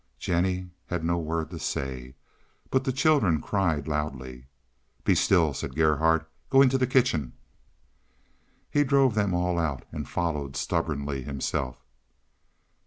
Jennie had no word to say, but the children cried loudly. "Be still," said Gerhardt. "Go into the kitchen." He drove them all out and followed stubbornly himself.